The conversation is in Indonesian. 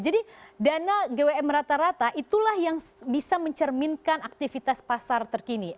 jadi dana gwm rata rata itulah yang bisa mencerminkan aktivitas pasar terkini